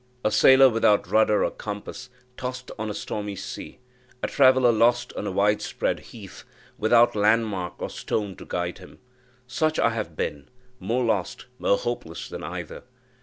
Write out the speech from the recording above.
A sailor without rudder or compass, tossed on a stormy sea a traveller lost on a widespread heath, without landmark or stone to guide him such I have been: more lost, more hopeless than either.